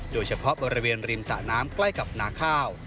โดยเฉพาะบริเวณริมสะน้ำใกล้กับนาข้าว